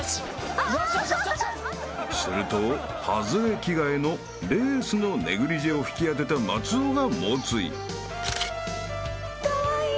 ［すると外れ着替えのレースのネグリジェを引き当てた松尾が猛追］カワイイ。